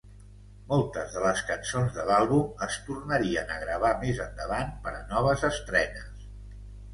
Moltes de les cançons de l'àlbum es tornarien a gravar més endavant per a noves estrenes.